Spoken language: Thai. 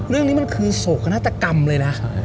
เรื่องนี้มันคือโศกนาฏกรรมเลยนะ